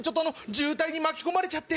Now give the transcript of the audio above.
渋滞に巻き込まれちゃって。